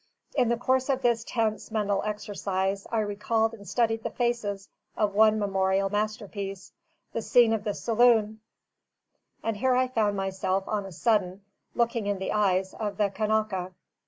In the course of this tense mental exercise I recalled and studied the faces of one memorial masterpiece, the scene of the saloon; and here I found myself, on a sudden, looking in the eyes of the Kanaka.